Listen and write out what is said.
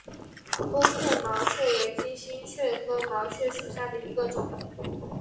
锐片毛蕨为金星蕨科毛蕨属下的一个种。